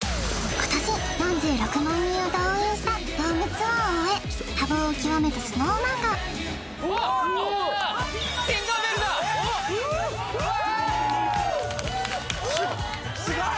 今年４６万人を動員したドームツアーを終え多忙を極めたＳｎｏｗＭａｎがおおティンカーベルだすすごい！